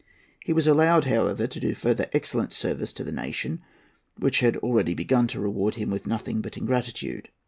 He was allowed, however, to do further excellent service to the nation which had already begun to reward him with nothing but ingratitude.